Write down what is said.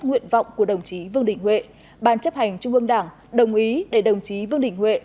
nguyện vọng của đồng chí vương đình huệ ban chấp hành trung ương đảng đồng ý để đồng chí vương đình huệ